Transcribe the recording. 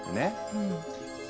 うん。